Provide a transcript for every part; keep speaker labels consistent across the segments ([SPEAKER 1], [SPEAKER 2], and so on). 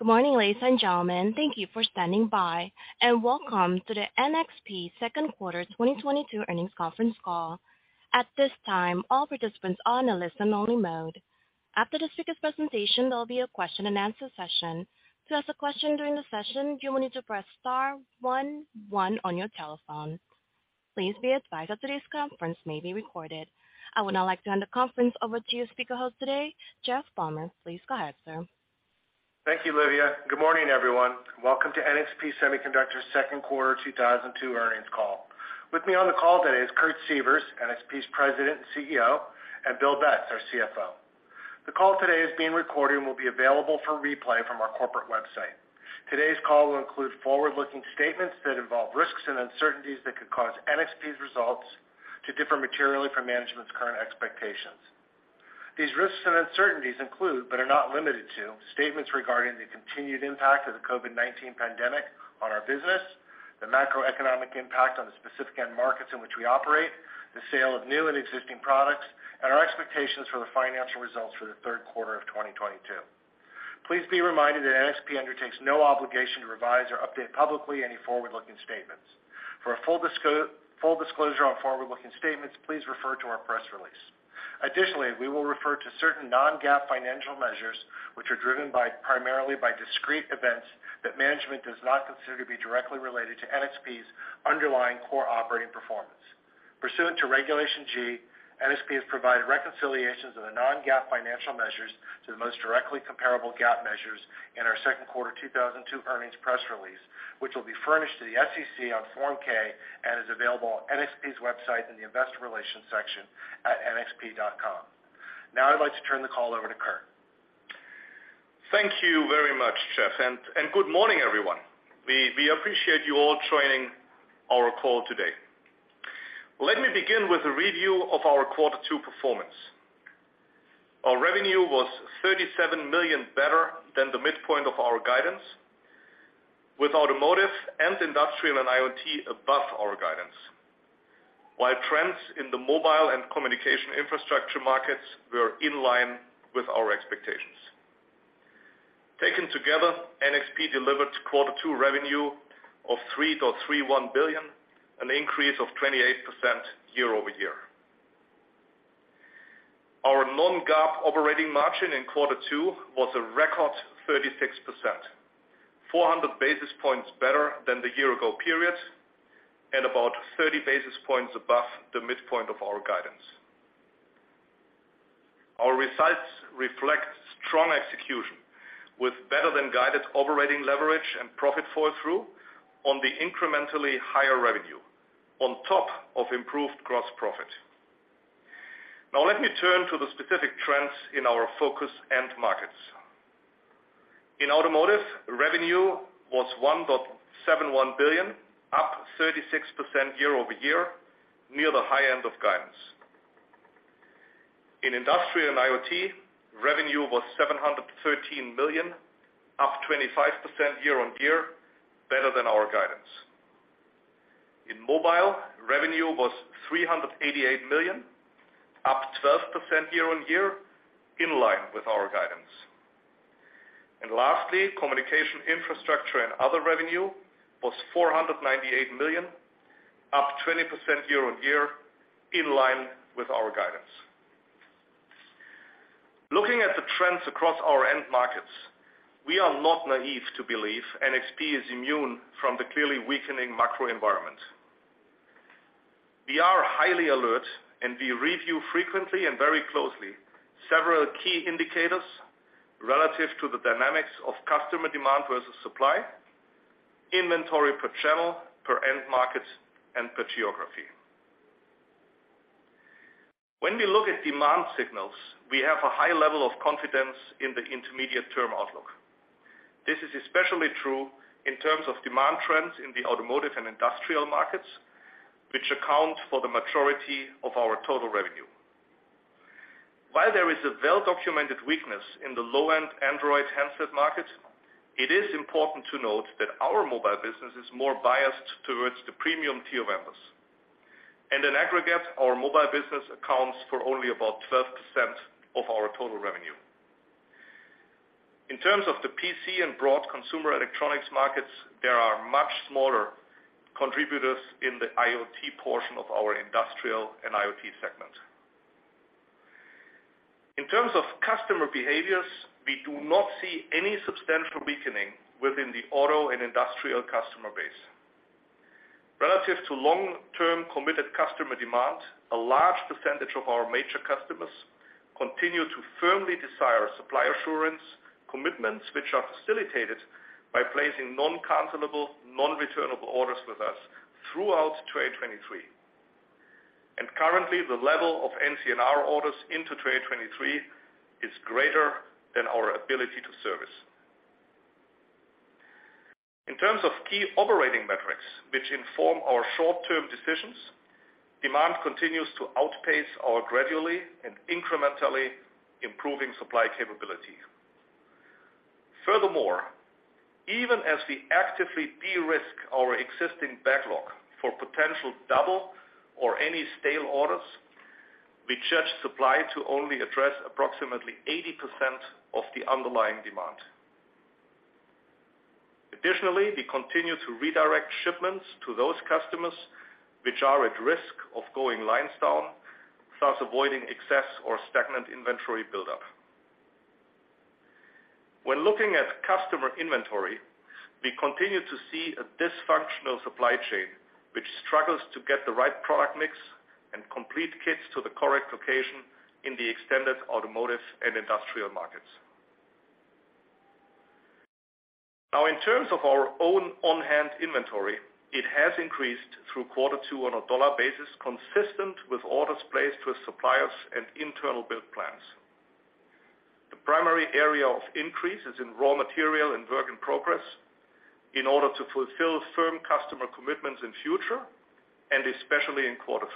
[SPEAKER 1] Good morning, ladies and gentlemen. Thank you for standing by, and welcome to the NXP Q2 2022 Earnings Conference Call. At this time, all participants are in a listen only mode. After the speaker's presentation, there'll be a question-and-answer session. To ask a question during the session, you will need to press star-one-one on your telephone. Please be advised that today's conference may be recorded. I would now like to hand the conference over to your speaker host today, Jeff Palmer. Please go ahead, sir.
[SPEAKER 2] Thank you, Livia. Good morning, everyone. Welcome to NXP Semiconductors Q2 2022 Earnings Call. With me on the call today is Kurt Sievers, NXP's President and CEO, and Bill Betz, our CFO. The call today is being recorded and will be available for replay from our corporate website. Today's call will include forward-looking statements that involve risks and uncertainties that could cause NXP's results to differ materially from management's current expectations. These risks and uncertainties include, but are not limited to, statements regarding the continued impact of the COVID-19 pandemic on our business, the macroeconomic impact on the specific end markets in which we operate, the sale of new and existing products, and our expectations for the financial results for the Q3 of 2022. Please be reminded that NXP undertakes no obligation to revise or update publicly any forward-looking statements. For a full disclosure on forward-looking statements, please refer to our press release. Additionally, we will refer to certain non-GAAP financial measures which are driven by, primarily by discrete events that management does not consider to be directly related to NXP's underlying core operating performance. Pursuant to Regulation G, NXP has provided reconciliations of the non-GAAP financial measures to the most directly comparable GAAP measures in our Q2 2022 Earnings Press Release, which will be furnished to the SEC on Form 6-K and is available on NXP's website in the investor relations section at nxp.com. Now I'd like to turn the call over to Kurt.
[SPEAKER 3] Thank you very much, Jeff. Good morning, everyone. We appreciate you all joining our call today. Let me begin with a review of our Q2 performance. Our revenue was $37 million better than the midpoint of our guidance, with automotive and industrial and IoT above our guidance. While trends in the mobile and communication infrastructure markets were in line with our expectations. Taken together, NXP delivered Q2 revenue of $3.31 billion, an increase of 28% year-over-year. Our non-GAAP operating margin in Q2 was a record 36%, 400 basis points better than the year ago period, and about 30 basis points above the midpoint of our guidance. Our results reflect strong execution with better than guided operating leverage and profit fall through on the incrementally higher revenue on top of improved gross profit. Now let me turn to the specific trends in our focus end markets. In automotive, revenue was $1.71 billion, up 36% year-over-year, near the high end of guidance. In industrial and IoT, revenue was $713 million, up 25% year-over-year, better than our guidance. In mobile, revenue was $388 million, up 12% year-over-year, in line with our guidance. And lastly, communication infrastructure and other revenue was $498 million, up 20% year-over-year, in line with our guidance. Looking at the trends across our end markets, we are not naive to believe NXP is immune from the clearly weakening macro environment. We are highly alert and we review frequently and very closely several key indicators relative to the dynamics of customer demand versus supply, inventory per channel, per end market, and per geography. When we look at demand signals, we have a high level of confidence in the intermediate term outlook. This is especially true in terms of demand trends in the automotive and industrial markets, which account for the majority of our total revenue. While there is a well-documented weakness in the low-end Android handset market, it is important to note that our mobile business is more biased towards the premium tier members. In aggregate, our mobile business accounts for only about 12% of our total revenue. In terms of the PC and broad consumer electronics markets, there are much smaller contributors in the IoT portion of our industrial and IoT segment. In terms of customer behaviors, we do not see any substantial weakening within the auto and industrial customer base. Relative to long-term committed customer demand, a large percentage of our major customers continue to firmly desire supply assurance commitments which are facilitated by placing non-cancelable, non-returnable orders with us throughout 2023. Currently, the level of NCNR orders into 2023 is greater than our ability to service. In terms of key operating metrics which inform our short-term decisions, demand continues to outpace our gradually and incrementally improving supply capability. Furthermore, even as we actively de-risk our existing backlog for potential double or any stale orders, we judge supply to only address approximately 80% of the underlying demand. Additionally, we continue to redirect shipments to those customers which are at risk of going lines down, thus avoiding excess or stagnant inventory buildup. When looking at customer inventory, we continue to see a dysfunctional supply chain, which struggles to get the right product mix and complete kits to the correct location in the extended automotive and industrial markets. Now, in terms of our own on-hand inventory, it has increased through Q2 on a dollar basis, consistent with orders placed with suppliers and internal build plans. The primary area of increase is in raw material and work in progress in order to fulfill firm customer commitments in future, and especially in Q3.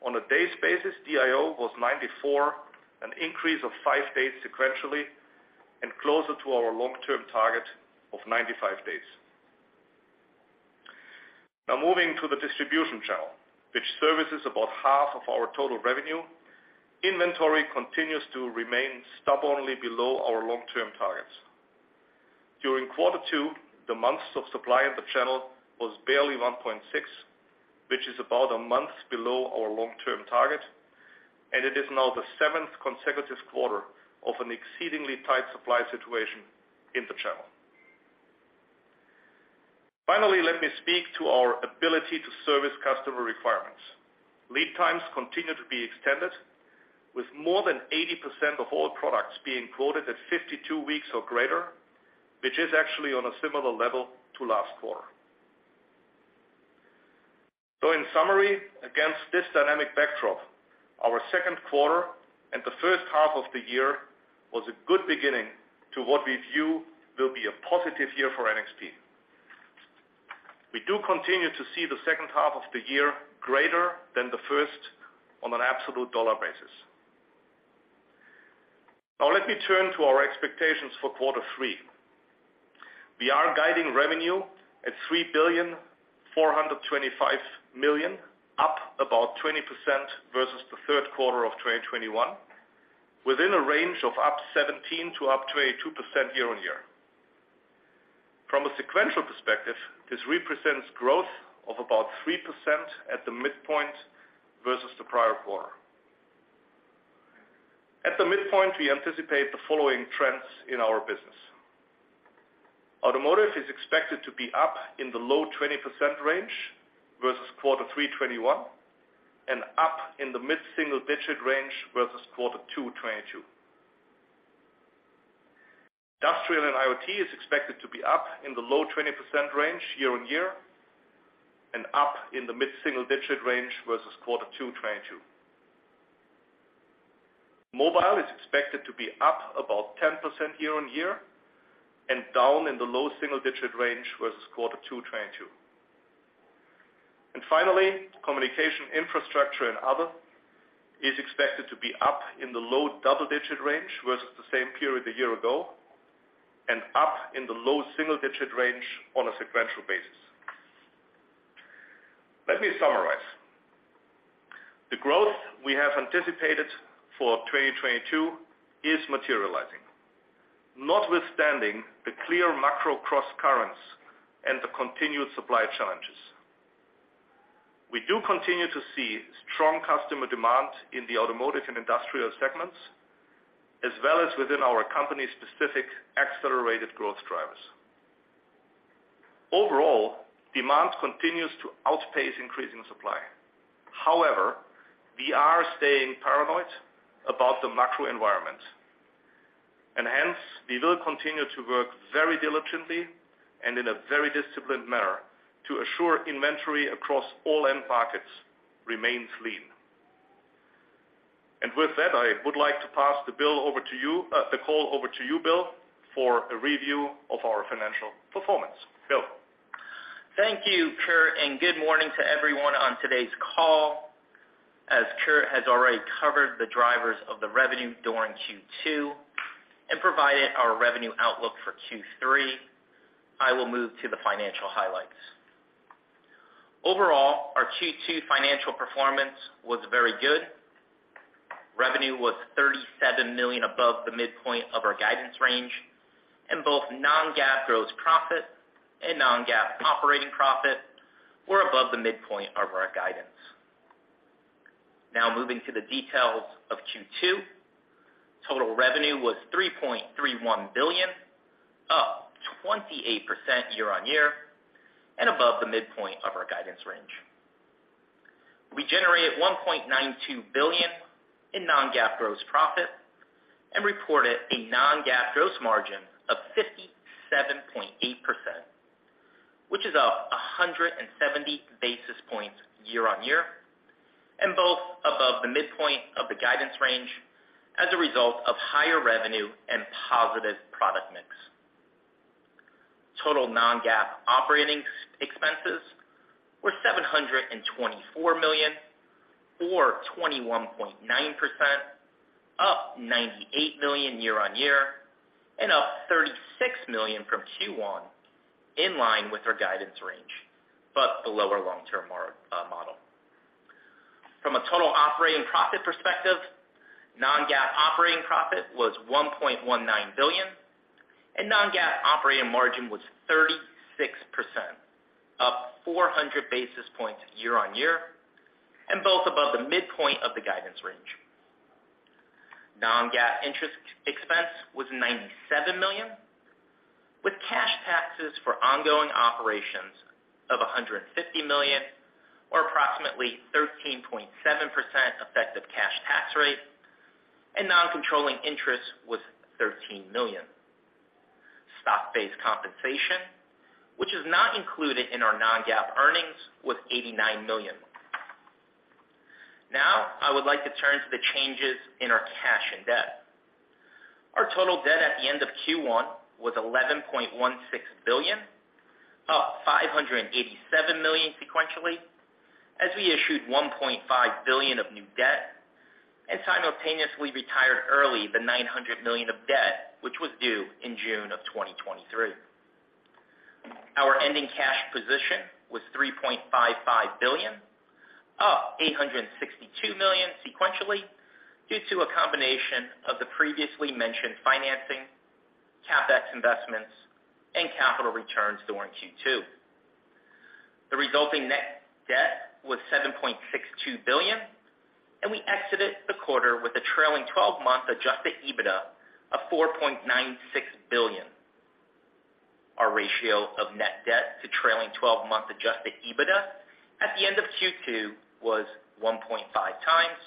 [SPEAKER 3] On a days' basis, DIO was 94, an increase of five days sequentially, and closer to our long-term target of 95 days. Now moving to the distribution channel, which services about half of our total revenue, inventory continues to remain stubbornly below our long-term targets. During Q2, the months of supply at the channel was barely 1.6, which is about a month below our long-term target, and it is now the seventh consecutive quarter of an exceedingly tight supply situation in the channel. Finally, let me speak to our ability to service customer requirements. Lead times continue to be extended with more than 80% of all products being quoted at 52 weeks or greater, which is actually on a similar level to last quarter. In summary, against this dynamic backdrop, our Q2 and the first half of the year was a good beginning to what we view will be a positive year for NXP. We do continue to see the second half of the year greater than the first on an absolute dollar basis. Now let me turn to our expectations for Q3. We are guiding revenue at $3.425 billion, up about 20% versus the Q3 of 2021, within a range of up 17%-22% year-over-year. From a sequential perspective, this represents growth of about 3% at the midpoint versus the prior quarter. At the midpoint, we anticipate the following trends in our business. Automotive is expected to be up in the low 20% range versus Q3 2021 and up in the mid-single-digit range versus Q2 2022. Industrial and IoT is expected to be up in the low 20% range year-over-year and up in the mid-single-digit range versus Q2 2022. Mobile is expected to be up about 10% year-over-year and down in the low single-digit range versus Q2 2022. Finally, communication infrastructure and other is expected to be up in the low double-digit range versus the same period a year ago and up in the low single-digit range on a sequential basis. Let me summarize. The growth we have anticipated for 2022 is materializing, notwithstanding the clear macro crosscurrents and the continued supply challenges. We do continue to see strong customer demand in the automotive and industrial segments, as well as within our company's specific accelerated growth drivers. Overall, demand continues to outpace increasing supply. However, we are staying paranoid about the macro environment. Hence, we will continue to work very diligently and in a very disciplined manner to assure inventory across all end markets remains lean. With that, I would like to pass the call over to you, Bill, for a review of our financial performance. Bill?
[SPEAKER 4] Thank you, Kurt, and good morning to everyone on today's call. As Kurt has already covered the drivers of the revenue during Q2 and provided our revenue outlook for Q3, I will move to the financial highlights. Overall, our Q2 financial performance was very good. Revenue was $37 million above the midpoint of our guidance range, and both non-GAAP gross profit and non-GAAP operating profit were above the midpoint of our guidance range. Now moving to the details of Q2. Total revenue was $3.31 billion, up 28% year-on-year and above the midpoint of our guidance range. We generated $1.92 billion in non-GAAP gross profit and reported a non-GAAP gross margin of 57.8%, which is up 170 basis points year-on-year, and both above the midpoint of the guidance range as a result of higher revenue and positive product mix. Total non-GAAP operating expenses were $724 million or 21.9%, up $98 million year-on-year and up $36 million from Q1, in line with our guidance range, but below our long-term model. From a total operating profit perspective, non-GAAP operating profit was $1.19 billion and non-GAAP operating margin was 36%, up 400 basis points year-on-year, and both above the midpoint of the guidance range. non-GAAP interest expense was $97 million, with cash taxes for ongoing operations of $150 million or approximately 13.7% effective cash tax rate and non-controlling interest was $13 million. Stock-based compensation, which is not included in our non-GAAP earnings, was $89 million. Now I would like to turn to the changes in our cash and debt. Our total debt at the end of Q1 was $11.16 billion, up $587 million sequentially as we issued $1.5 billion of new debt and simultaneously retired early the $900 million of debt, which was due in June of 2023. Our ending cash position was $3.55 billion, up $862 million sequentially due to a combination of the previously mentioned financing, CapEx investments and capital returns during Q2. The resulting net debt was $7.62 billion, and we exited the quarter with a trailing twelve-month adjusted EBITDA of $4.96 billion. Our ratio of net debt to trailing twelve-month adjusted EBITDA at the end of Q2 was 1.5 times,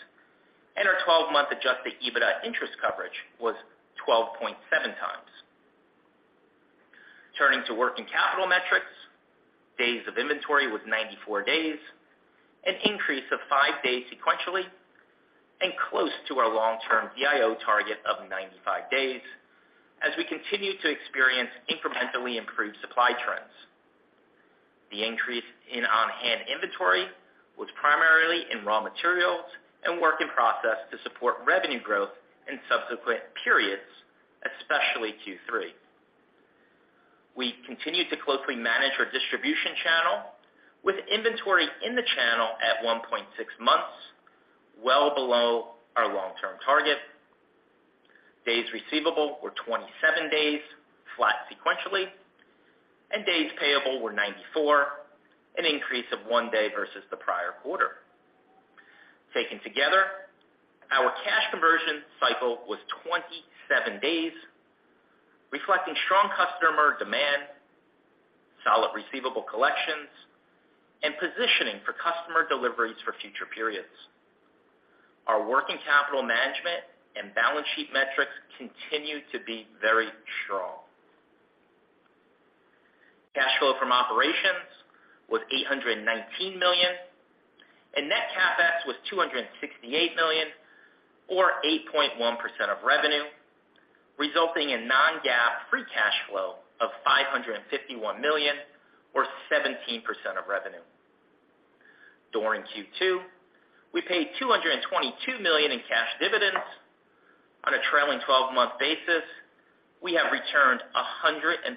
[SPEAKER 4] and our twelve-month adjusted EBITDA interest coverage was 12.7 times. Turning to working capital metrics, days of inventory was 94 days, an increase of five days sequentially and close to our long-term DIO target of 95 days as we continue to experience incrementally improved supply trends. The increase in on-hand inventory was primarily in raw materials and work in process to support revenue growth in subsequent periods, especially Q3. We continued to closely manage our distribution channel with inventory in the channel at 1.6 months, well below our long-term target. Days receivable were 27 days, flat sequentially, and days payable were 94, an increase of one day versus the prior quarter. Taken together, our cash conversion cycle was 27 days, reflecting strong customer demand, solid receivable collections, and positioning for customer deliveries for future periods. Our working capital management and balance sheet metrics continue to be very strong. Cash flow from operations was $819 million, and net CapEx was $268 million or 8.1% of revenue, resulting in non-GAAP free cash flow of $551 million or 17% of revenue. During Q2, we paid $222 million in cash dividends. On a trailing twelve-month basis, we have returned 132%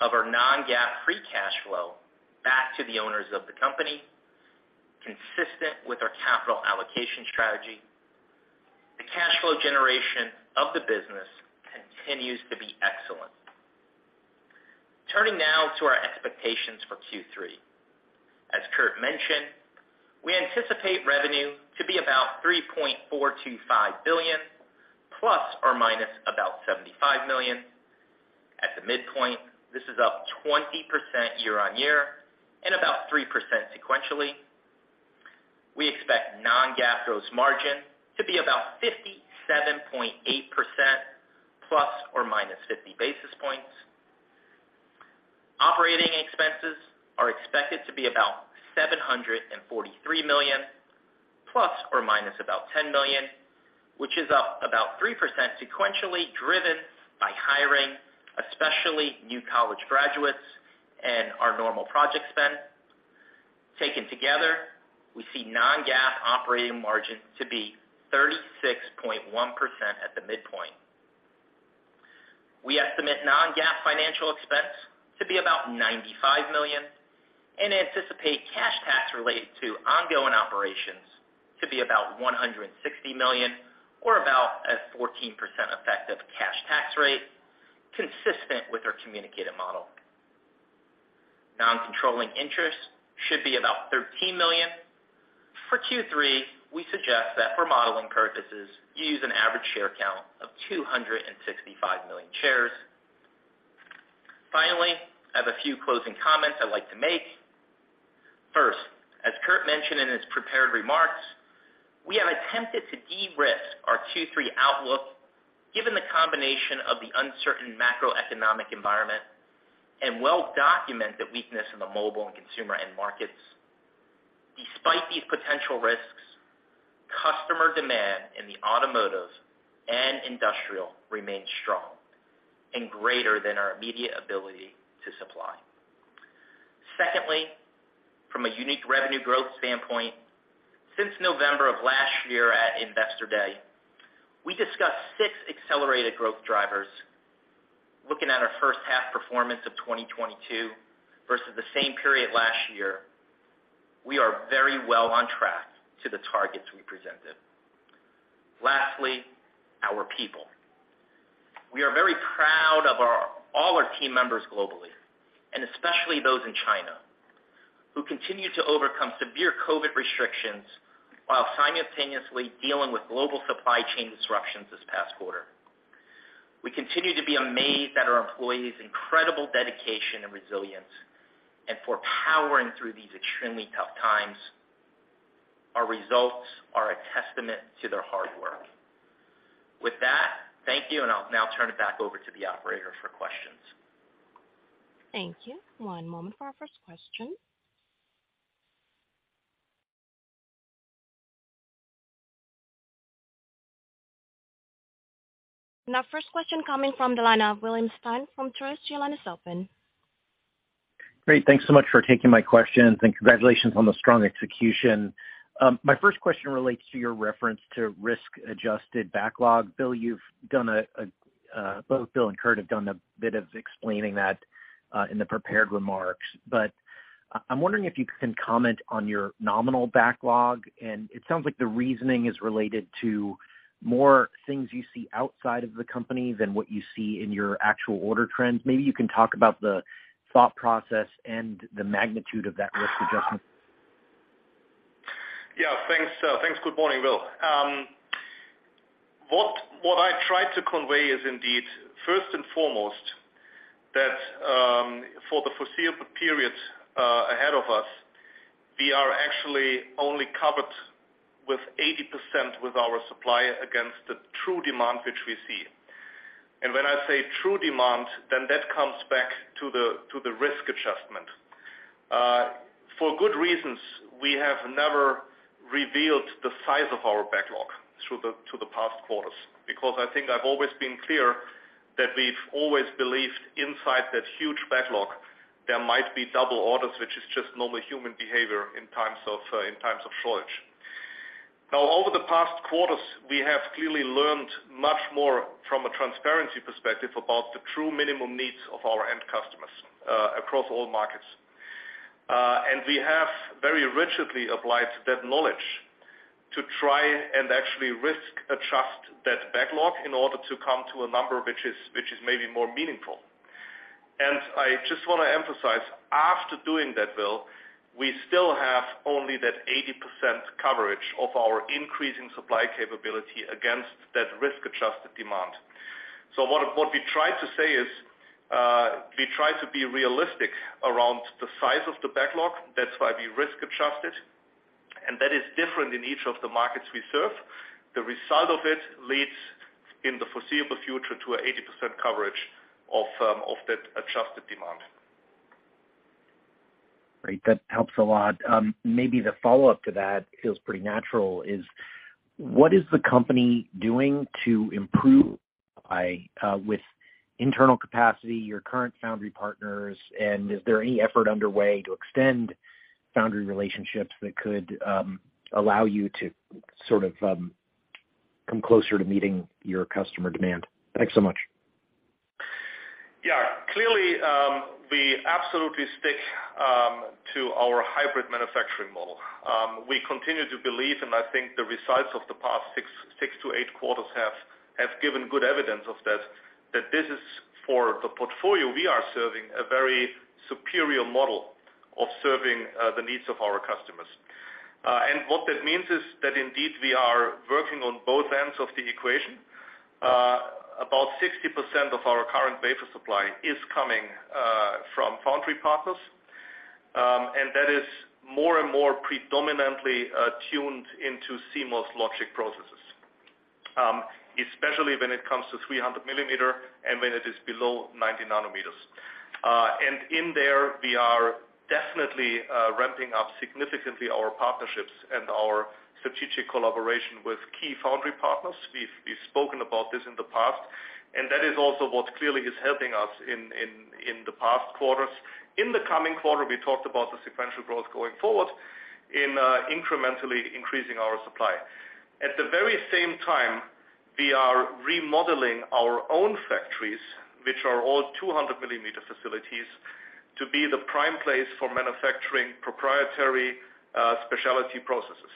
[SPEAKER 4] of our non-GAAP free cash flow back to the owners of the company, consistent with our capital allocation strategy. The cash flow generation of the business continues to be excellent. Turning now to our expectations for Q3. As Kurt mentioned, we anticipate revenue to be about $3.425 billion ±$75 million. At the midpoint, this is up 20% year-on-year and about 3% sequentially. We expect non-GAAP gross margin to be about 57.8% ±50 basis points. Operating expenses are expected to be about $743 million ±$10 million, which is up about 3% sequentially, driven by hiring, especially new college graduates and our normal project spend. Taken together, we see non-GAAP operating margin to be 36.1% at the midpoint. We estimate non-GAAP financial expense to be about $95 million and anticipate cash tax related to ongoing operations to be about $160 million or about a 14% effective cash tax rate consistent with our communicated model. Non-controlling interest should be about $13 million. For Q3, we suggest that for modeling purposes you use an average share count of 265 million shares. Finally, I have a few closing comments I'd like to make. First, as Kurt mentioned in his prepared remarks, we have attempted to de-risk our Q3 outlook given the combination of the uncertain macroeconomic environment and well-documented weakness in the mobile and consumer end markets.
[SPEAKER 3] Despite these potential risks, customer demand in the automotive and industrial remains strong and greater than our immediate ability to supply. Secondly, from a unique revenue growth standpoint, since November of last year at Investor Day, we discussed six accelerated growth drivers. Looking at our first half performance of 2022 versus the same period last year, we are very well on track to the targets we presented. Lastly, our people. We are very proud of all our team members globally, and especially those in China, who continue to overcome severe COVID restrictions while simultaneously dealing with global supply chain disruptions this past quarter. We continue to be amazed at our employees' incredible dedication and resilience and for powering through these extremely tough times. Our results are a testament to their hard work. With that, thank you, and I'll now turn it back over to the operator for questions.
[SPEAKER 1] Thank you. One moment for our first question. Our first question coming from the line of William Stein from Truist. Your line is open.
[SPEAKER 5] Great. Thanks so much for taking my questions, and congratulations on the strong execution. My first question relates to your reference to risk-adjusted backlog. Bill, both Bill and Kurt have done a bit of explaining that in the prepared remarks. I'm wondering if you can comment on your nominal backlog, and it sounds like the reasoning is related to macro things you see outside of the company than what you see in your actual order trends. Maybe you can talk about the thought process and the magnitude of that risk adjustment.
[SPEAKER 3] Yeah. Thanks. Good morning, Will. What I tried to convey is indeed first and foremost that, for the foreseeable period ahead of us, we are actually only covered with 80% with our supply against the true demand which we see. When I say true demand, then that comes back to the risk adjustment. For good reasons, we have never revealed the size of our backlog through the past quarters because I think I've always been clear that we've always believed inside that huge backlog there might be double orders, which is just normal human behavior in times of shortage. Now, over the past quarters, we have clearly learned much more from a transparency perspective about the true minimum needs of our end customers across all markets. We have very rigidly applied that knowledge to try and actually risk adjust that backlog in order to come to a number which is maybe more meaningful. I just wanna emphasize, after doing that, Will, we still have only that 80% coverage of our increasing supply capability against that risk-adjusted demand. What we try to say is, we try to be realistic around the size of the backlog. That's why we risk adjust it, and that is different in each of the markets we serve. The result of it leads in the foreseeable future to an 80% coverage of that adjusted demand.
[SPEAKER 5] Great. That helps a lot. Maybe the follow-up to that feels pretty natural, is what is the company doing to improve by, with internal capacity, your current foundry partners, and is there any effort underway to extend foundry relationships that could, allow you to sort of, come closer to meeting your customer demand? Thanks so much.
[SPEAKER 3] Yeah. Clearly, we absolutely stick to our hybrid manufacturing model. We continue to believe, and I think the results of the past six to eight quarters have given good evidence of that this is for the portfolio we are serving a very superior model of serving the needs of our customers. What that means is that indeed we are working on both ends of the equation. About 60% of our current wafer supply is coming from foundry partners, and that is more and more predominantly tuned into CMOS logic processes, especially when it comes to 300 mm and when it is below 90 nanometers. In there we are definitely ramping up significantly our partnerships and our strategic collaboration with key foundry partners. We've spoken about this in the past, and that is also what clearly is helping us in the past quarters. In the coming quarter, we talked about the sequential growth going forward in incrementally increasing our supply. At the very same time, we are remodeling our own factories, which are all 200 mm facilities, to be the prime place for manufacturing proprietary specialty processes,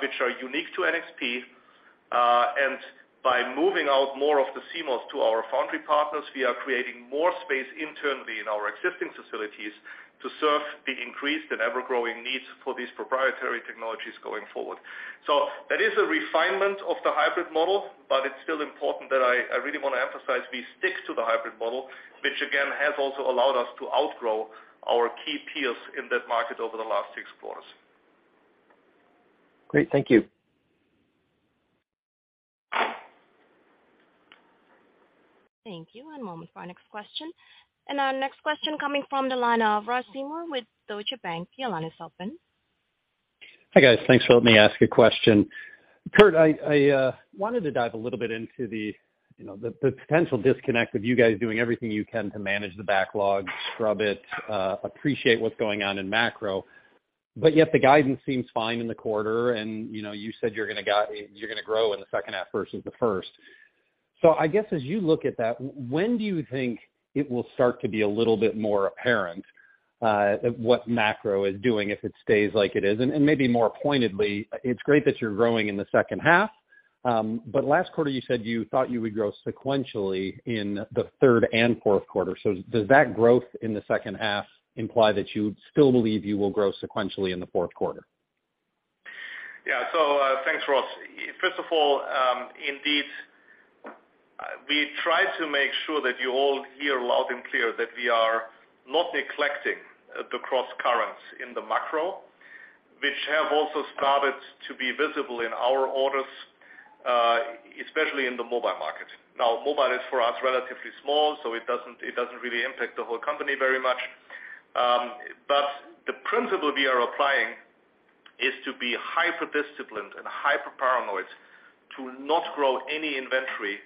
[SPEAKER 3] which are unique to NXP. By moving out more of the CMOS to our foundry partners, we are creating more space internally in our existing facilities to serve the increased and ever-growing needs for these proprietary technologies going forward. that is a refinement of the hybrid model, but it's still important that I really wanna emphasize we stick to the hybrid model, which again, has also allowed us to outgrow our key peers in that market over the last six quarters.
[SPEAKER 5] Great. Thank you.
[SPEAKER 1] Thank you. One moment for our next question. Our next question coming from the line of Ross Seymore with Deutsche Bank. Your line is open.
[SPEAKER 6] Hi, guys. Thanks for letting me ask a question. Kurt, I wanted to dive a little bit into you know, the potential disconnect of you guys doing everything you can to manage the backlog, scrub it, appreciate what's going on in macro, but yet the guidance seems fine in the quarter. You know, you said you're gonna grow in the second half versus the first. I guess as you look at that, when do you think it will start to be a little bit more apparent, what macro is doing if it stays like it is? Maybe more pointedly, it's great that you're growing in the second half, but last quarter you said you thought you would grow sequentially in the third and Q4. Does that growth in the second half imply that you still believe you will grow sequentially in the Q4?
[SPEAKER 3] Yeah. Thanks, Ross. First of all, indeed, we try to make sure that you all hear loud and clear that we are not neglecting the crosscurrents in the macro, which have also started to be visible in our orders, especially in the mobile market. Now, mobile is for us relatively small, so it doesn't really impact the whole company very much. The principle we are applying is to be hyper disciplined and hyper paranoid to not grow any inventory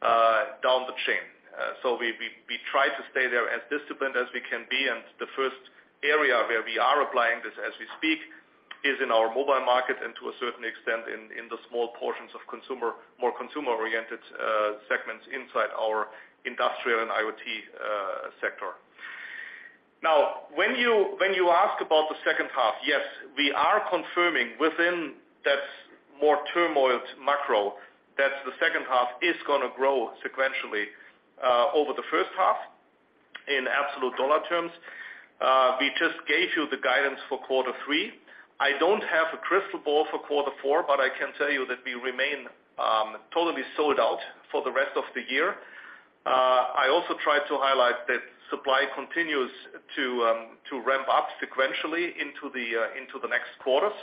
[SPEAKER 3] down the chain. We try to stay there as disciplined as we can be. The first area where we are applying this as we speak is in our mobile market and to a certain extent in the small portions of consumer, more consumer-oriented segments inside our industrial and IoT sector. Now, when you ask about the second half, yes, we are confirming within that more turbulent macro that the second half is gonna grow sequentially over the first half in absolute dollar terms. We just gave you the guidance for Q3. I don't have a crystal ball for Q4, but I can tell you that we remain totally sold out for the rest of the year. I also tried to highlight that supply continues to ramp up sequentially into the next quarters.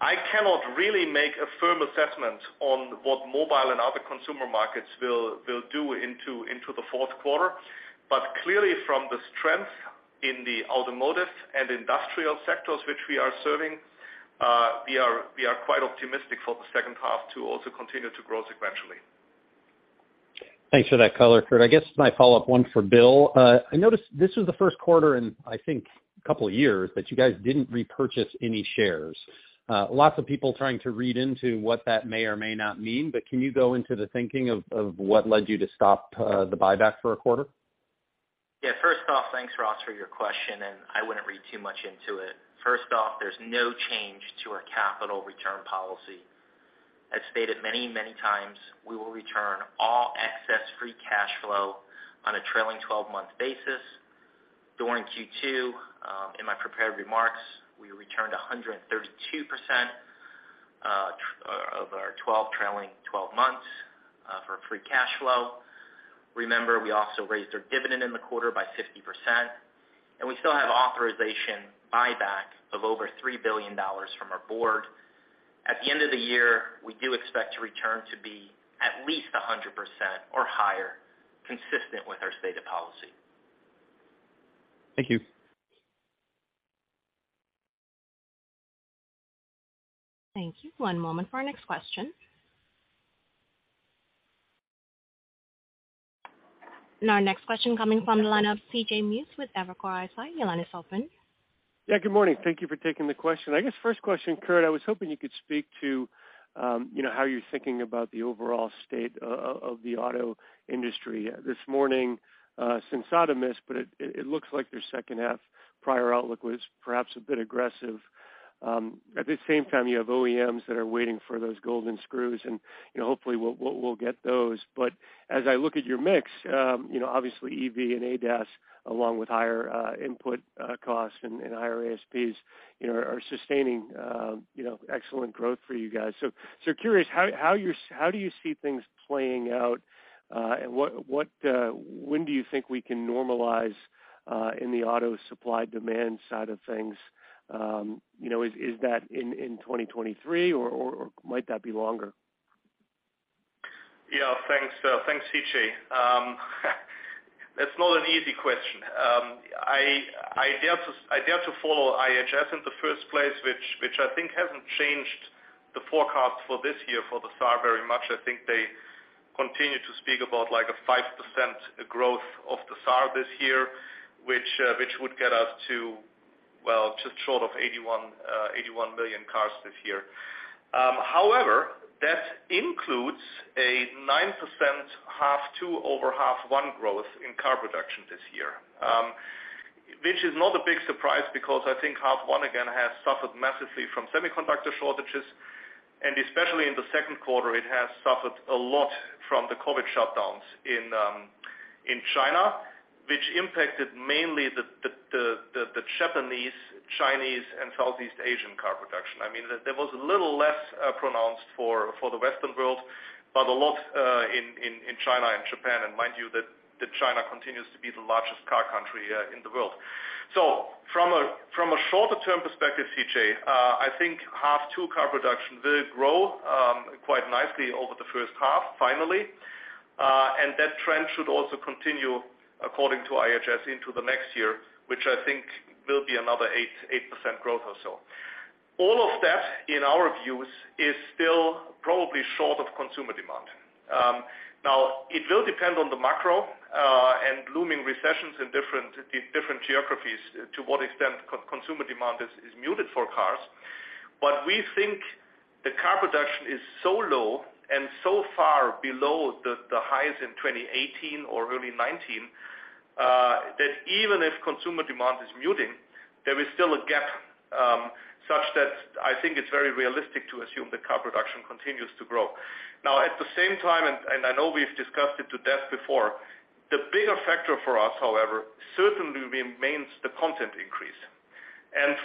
[SPEAKER 3] I cannot really make a firm assessment on what mobile and other consumer markets will do into the Q4. Clearly from the strength in the automotive and industrial sectors which we are serving, we are quite optimistic for the second half to also continue to grow sequentially.
[SPEAKER 6] Thanks for that color, Kurt. I guess my follow-up one for Bill. I noticed this was the Q1 in, I think, a couple of years that you guys didn't repurchase any shares. Lots of people trying to read into what that may or may not mean, but can you go into the thinking of what led you to stop the buyback for a quarter?
[SPEAKER 4] Yeah. First off, thanks, Ross, for your question, and I wouldn't read too much into it. First off, there's no change to our capital return policy. I've stated many, many times, we will return all excess free cash flow on a trailing 12-month basis. During Q2, in my prepared remarks, we returned 132% of our trailing 12 months for free cash flow. Remember, we also raised our dividend in the quarter by 50%, and we still have authorization buyback of over $3 billion from our board. At the end of the year, we do expect to return to be at least 100% or higher, consistent with our stated policy.
[SPEAKER 6] Thank you.
[SPEAKER 1] Thank you. One moment for our next question. Our next question coming from the line of C.J. Muse with Evercore ISI. Your line is open.
[SPEAKER 7] Yeah, good morning. Thank you for taking the question. I guess first question, Kurt, I was hoping you could speak to, you know, how you're thinking about the overall state of the auto industry. This morning, Sensata missed, but it looks like their second half prior outlook was perhaps a bit aggressive. At the same time, you have OEMs that are waiting for those golden screws and, you know, hopefully we'll get those. But as I look at your mix, you know, obviously EV and ADAS, along with higher input costs and higher ASPs, you know, are sustaining excellent growth for you guys. Curious, how do you see things playing out? When do you think we can normalize in the auto supply demand side of things? You know, is that in 2023 or might that be longer?
[SPEAKER 3] Yeah. Thanks, C.J. That's not an easy question. I dare to follow IHS Markit in the first place, which I think hasn't changed the forecast for this year for the SAR very much. I think they continue to speak about like a 5% growth of the SAR this year, which would get us to, well, just short of 81 million cars this year. However, that includes a 9% H2 over H1 growth in car production this year, which is not a big surprise because I think H1 again has suffered massively from semiconductor shortages, and especially in the Q2, it has suffered a lot from the COVID shutdowns in China, which impacted mainly the Japanese, Chinese, and Southeast Asian car production. I mean, there was a little less pronounced for the Western world, but a lot in China and Japan. Mind you that China continues to be the largest car country in the world. From a shorter-term perspective, CJ, I think H2 car production will grow quite nicely over the first half finally. That trend should also continue according to IHS into the next year, which I think will be another 8% growth or so. All of that, in our views, is still probably short of consumer demand. Now it will depend on the macro and looming recessions in different geographies to what extent consumer demand is muted for cars. We think the car production is so low and so far below the highs in 2018 or early 2019, that even if consumer demand is muting, there is still a gap, such that I think it's very realistic to assume that car production continues to grow. Now at the same time, I know we've discussed it to death before, the bigger factor for us, however, certainly remains the content increase.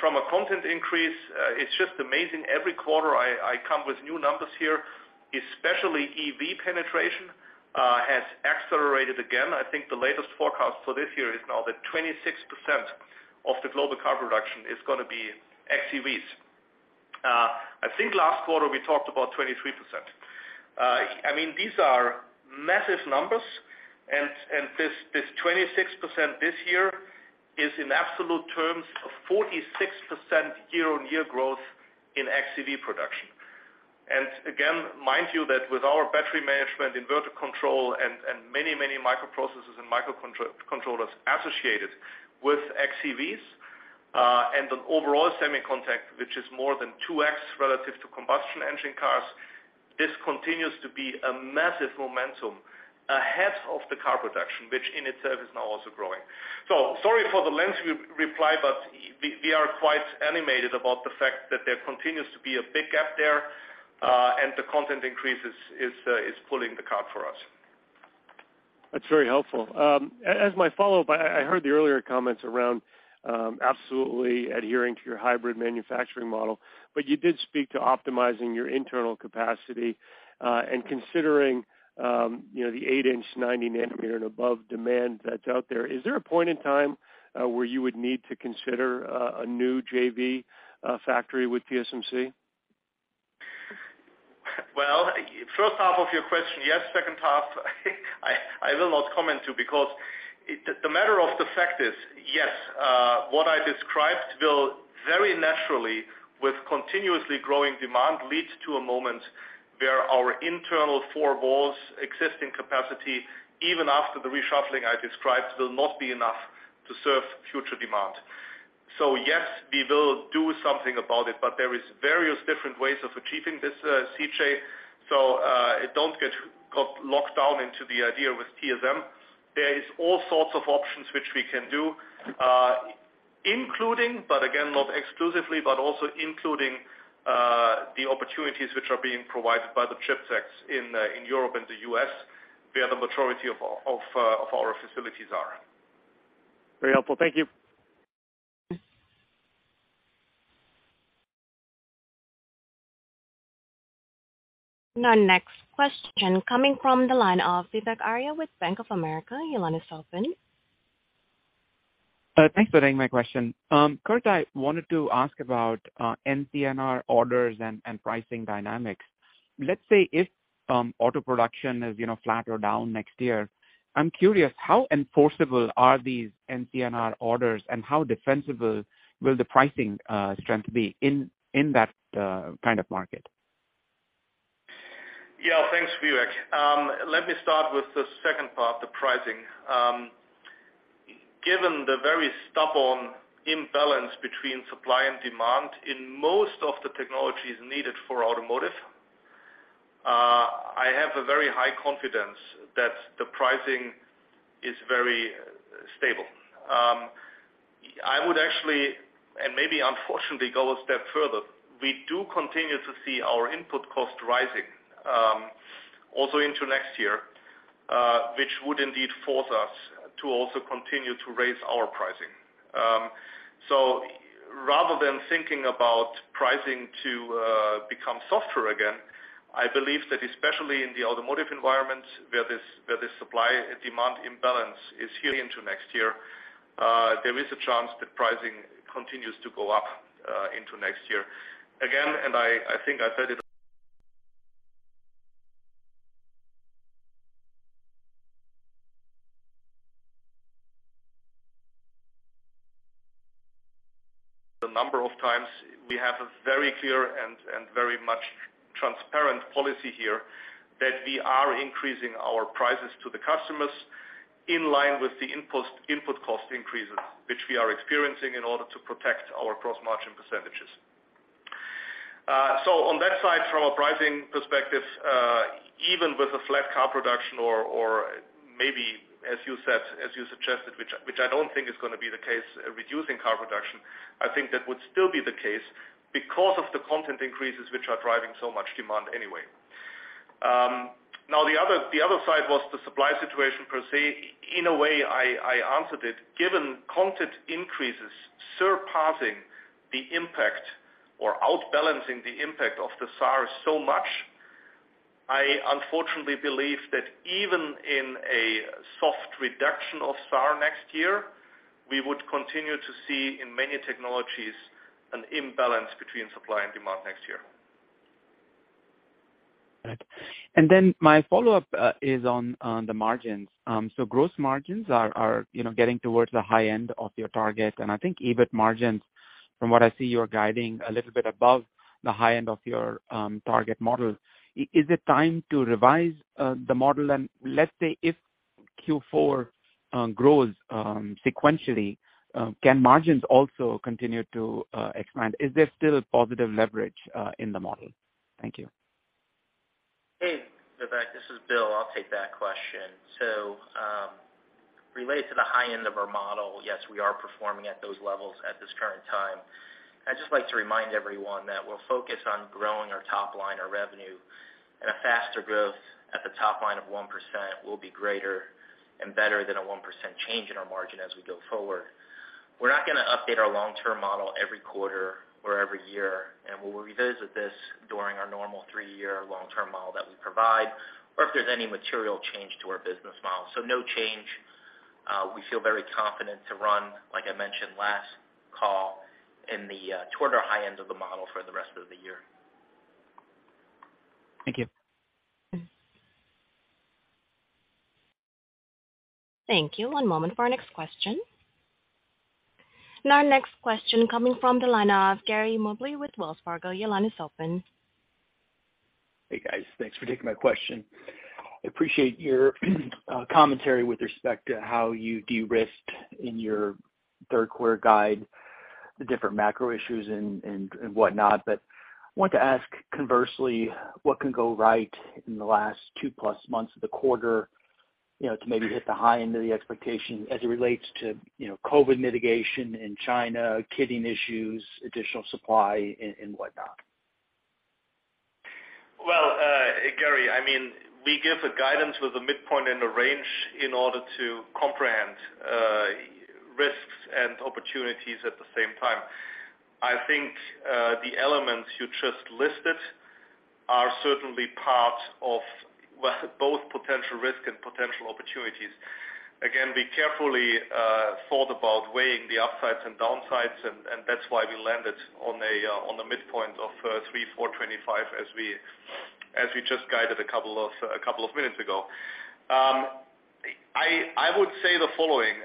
[SPEAKER 3] From a content increase, it's just amazing. Every quarter I come with new numbers here, especially EV penetration has accelerated again. I think the latest forecast for this year is now that 26% of the global car production is gonna be XEVs. I think last quarter we talked about 23%. I mean, these are massive numbers and this 26% this year is in absolute terms of 46% year-on-year growth in XEV production. Again, mind you, that with our battery management, inverter control and many microcontrollers associated with XEVs, and an overall semiconductor which is more than 2x relative to combustion engine cars, this continues to be a massive momentum ahead of the car production, which in itself is now also growing. Sorry for the lengthy reply, but we are quite animated about the fact that there continues to be a big gap there, and the content increase is pulling the cart for us.
[SPEAKER 7] That's very helpful. As my follow-up, I heard the earlier comments around absolutely adhering to your hybrid manufacturing model. You did speak to optimizing your internal capacity and considering, you know, the eight-inch 90 nanometer and above demand that's out there. Is there a point in time where you would need to consider a new JV factory with TSMC?
[SPEAKER 3] Well, first half of your question, yes. Second half, I will not comment on because the fact of the matter is, yes, what I described will very naturally, with continuously growing demand, leads to a moment where our internal four walls existing capacity, even after the reshuffling I described, will not be enough to serve future demand. Yes, we will do something about it, but there is various different ways of achieving this, C.J. Don't get locked in to the idea with TSMC. There is all sorts of options which we can do, including, but again, not exclusively, but also including, the opportunities which are being provided by the CHIPS Act in Europe and the US, where the majority of our facilities are in.
[SPEAKER 7] Very helpful. Thank you.
[SPEAKER 1] Now next question coming from the line of Vivek Arya with Bank of America. Your line is now open.
[SPEAKER 8] Thanks for taking my question. Kurt, I wanted to ask about NCNR orders and pricing dynamics. Let's say if auto production is, you know, flat or down next year, I'm curious how enforceable are these NCNR orders and how defensible will the pricing strength be in that kind of market?
[SPEAKER 3] Yeah, thanks, Vivek. Let me start with the second part, the pricing. Given the very stubborn imbalance between supply and demand in most of the technologies needed for automotive, I have a very high confidence that the pricing is very stable. I would actually and maybe unfortunately go a step further. We do continue to see our input cost rising, also into next year, which would indeed force us to also continue to raise our pricing. Rather than thinking about pricing to become softer again, I believe that especially in the automotive environment where this supply demand imbalance is here into next year, there is a chance that pricing continues to go up, into next year. Again, I think I said it a number of times, we have a very clear and very much transparent policy here that we are increasing our prices to the customers in line with the input cost increases which we are experiencing in order to protect our gross margin percentages. On that side from a pricing perspective, even with a flat car production or maybe as you said, as you suggested, which I don't think is gonna be the case, reducing car production, I think that would still be the case because of the content increases which are driving so much demand anyway. Now the other side was the supply situation per se. In a way, I answered it. Given content increases surpassing the impact or outbalancing the impact of the cars so much, I unfortunately believe that even in a soft reduction of cars next year, we would continue to see in many technologies an imbalance between supply and demand next year.
[SPEAKER 8] Right. Then my follow-up is on the margins. Gross margins are, you know, getting towards the high end of your target. I think EBIT margins from what I see, you're guiding a little bit above the high end of your target model. Is it time to revise the model? Let's say if Q4 grows sequentially, can margins also continue to expand? Is there still positive leverage in the model? Thank you.
[SPEAKER 4] Hey, Vivek, this is Bill. I'll take that question. Related to the high end of our model, yes, we are performing at those levels at this current time. I'd just like to remind everyone that we're focused on growing our top line, our revenue. A faster growth at the top line of 1% will be greater and better than a 1% change in our margin as we go forward. We're not gonna update our long-term model every quarter or every year, and we will revisit this during our normal three-year long-term model that we provide, or if there's any material change to our business model. No change. We feel very confident to run, like I mentioned last call, toward our high end of the model for the rest of the year.
[SPEAKER 8] Thank you.
[SPEAKER 1] Thank you. One moment for our next question. Our next question coming from the line of Gary Mobley with Wells Fargo. Your line is open.
[SPEAKER 9] Hey, guys. Thanks for taking my question. I appreciate your commentary with respect to how you de-risked in your Q3 guide, the different macro issues and whatnot. I want to ask conversely, what can go right in the last two-plus months of the quarter, you know, to maybe hit the high end of the expectation as it relates to, you know, COVID mitigation in China, kitting issues, additional supply and whatnot?
[SPEAKER 3] Well, Gary, I mean, we give a guidance with a midpoint and a range in order to comprehend risks and opportunities at the same time. I think the elements you just listed are certainly part of both potential risk and potential opportunities. Again, we carefully thought about weighing the upsides and downsides, and that's why we landed on the midpoint of $3.425 as we just guided a couple of minutes ago. I would say the following.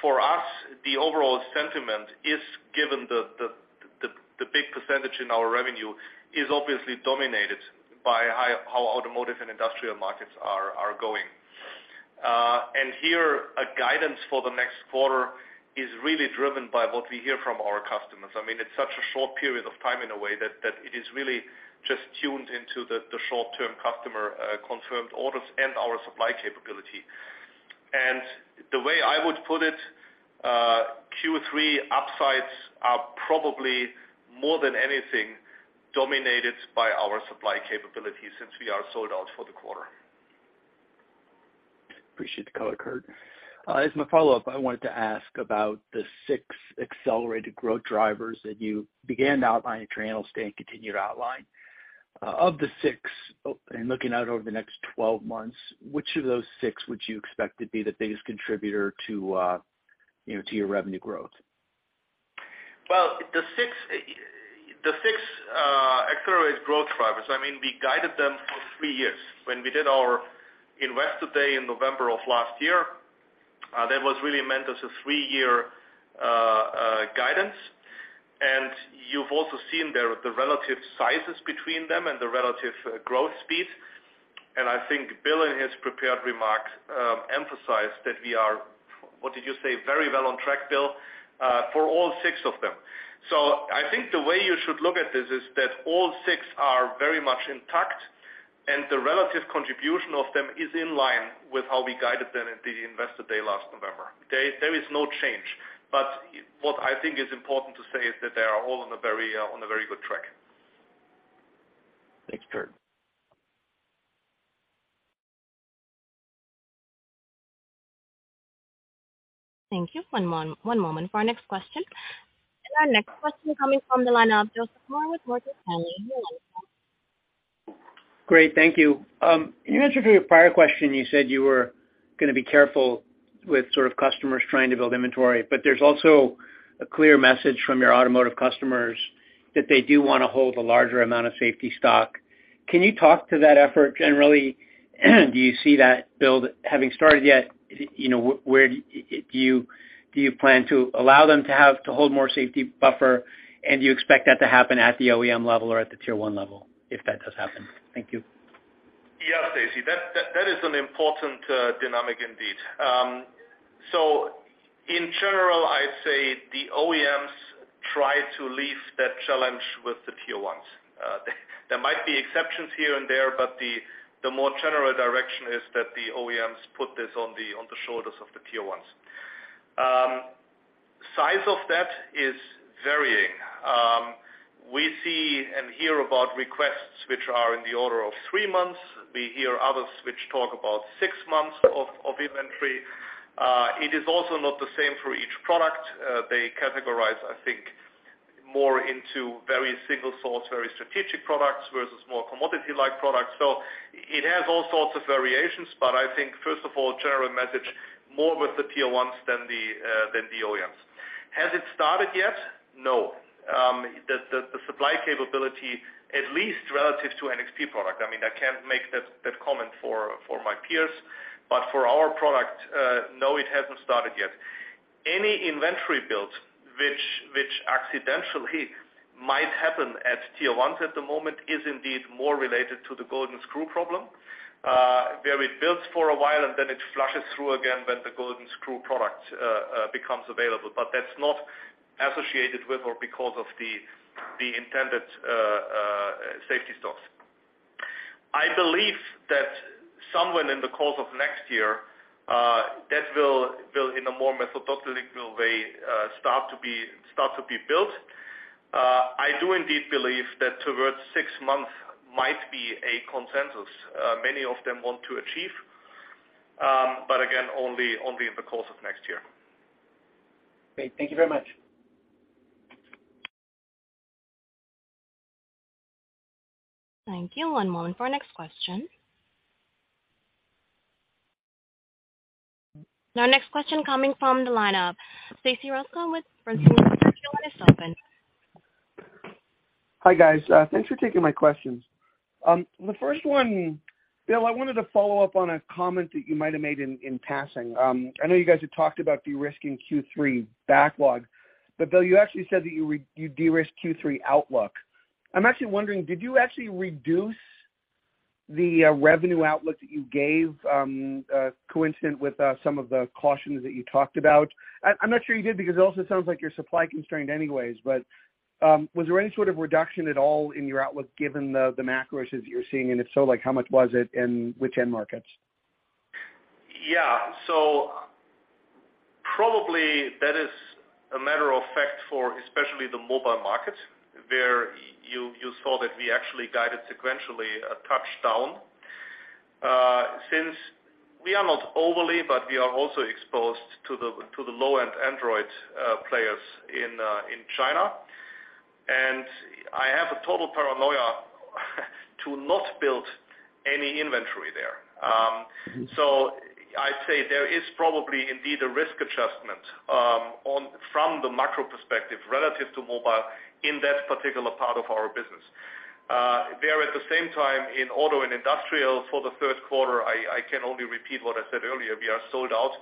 [SPEAKER 3] For us, the overall sentiment is, given the big percentage in our revenue is obviously dominated by how automotive and industrial markets are going. Here, a guidance for the next quarter is really driven by what we hear from our customers. I mean, it's such a short period of time in a way that it is really just tuned into the short-term customer confirmed orders and our supply capability. The way I would put it, Q3 upsides are probably more than anything dominated by our supply capability since we are sold out for the quarter.
[SPEAKER 9] Appreciate the color, Kurt. As my follow-up, I wanted to ask about the six accelerated growth drivers that you began outlining at your annual state and continued to outline. Of the six, and looking out over the next 12 months, which of those six would you expect to be the biggest contributor to, you know, to your revenue growth?
[SPEAKER 3] Well, the six accelerated growth drivers, I mean, we guided them for three years. When we did our Investor Day in November of last year, that was really meant as a three-year guidance. You've also seen there the relative sizes between them and the relative growth speed. I think Bill, in his prepared remarks, emphasized that we are very well on track for all six of them. I think the way you should look at this is that all six are very much intact, and the relative contribution of them is in line with how we guided them at the Investor Day last November. There is no change. What I think is important to say is that they are all on a very good track.
[SPEAKER 9] Thanks, Kurt.
[SPEAKER 1] Thank you. One moment for our next question. Our next question coming from the line of Joseph Moore with Morgan Stanley. Your line is open.
[SPEAKER 10] Great. Thank you. In answer to your prior question, you said you were gonna be careful with sort of customers trying to build inventory, but there's also a clear message from your automotive customers that they do wanna hold a larger amount of safety stock. Can you talk to that effort generally? Do you see that build having started yet? You know, where do you plan to allow them to hold more safety buffer? Do you expect that to happen at the OEM level or at the tier one level, if that does happen? Thank you.
[SPEAKER 3] Yes, Joseph. That is an important dynamic indeed. In general, I'd say the OEMs try to leave that challenge with the tier ones. There might be exceptions here and there, but the more general direction is that the OEMs put this on the shoulders of the tier ones. Size of that is varying. We see and hear about requests which are in the order of three months. We hear others which talk about six months of inventory. It is also not the same for each product. They categorize, I think, more into very single source, very strategic products versus more commodity-like products. It has all sorts of variations. I think first of all, general message more with the tier ones than the OEMs. Has it started yet? No. The supply capability, at least relative to NXP product, I mean, I can't make that comment for my peers, but for our product, no, it hasn't started yet. Any inventory built which accidentally might happen at tier one at the moment is indeed more related to the golden screw problem, where it builds for a while, and then it flushes through again when the golden screw product becomes available. That's not associated with or because of the intended safety stocks. I believe that somewhere in the course of next year, that will in a more methodical way start to be built. I do indeed believe that towards six months might be a consensus many of them want to achieve, but again, only in the course of next year.
[SPEAKER 10] Great. Thank you very much.
[SPEAKER 1] Thank you. One moment for our next question. Our next question coming from the lineup. Stacy Rasgon from Bernstein, your line is open.
[SPEAKER 11] Hi, guys. Thanks for taking my questions. The first one, Bill, I wanted to follow up on a comment that you might have made in passing. I know you guys had talked about de-risking Q3 backlog, but Bill, you actually said that you de-risked Q3 outlook. I'm actually wondering, did you actually reduce the revenue outlook that you gave, coincident with some of the cautions that you talked about? I'm not sure you did because it also sounds like you're supply constrained anyways, but was there any sort of reduction at all in your outlook given the macro issues you're seeing? If so, like how much was it and which end markets?
[SPEAKER 3] Yeah. Probably that is a matter of fact for especially the mobile market, where you saw that we actually guided sequentially a touch down. Since we are not overly, but we are also exposed to the low-end Android players in China, and I have a total paranoia to not build any inventory there. I'd say there is probably indeed a risk adjustment from the macro perspective relative to mobile in that particular part of our business. There at the same time in auto and industrial for the Q3, I can only repeat what I said earlier. We are sold out